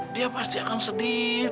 dia pasti akan sedih